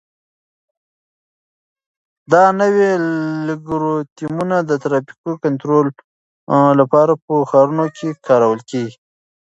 دا نوي الګوریتمونه د ترافیکو د کنټرول لپاره په ښارونو کې کارول کیږي.